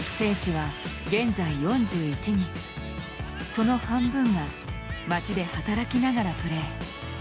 その半分が町で働きながらプレー。